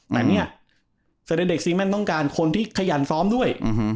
แต่เนี่ยแสดงเด็กซีแมนต้องการคนที่ขยันซ้อมด้วย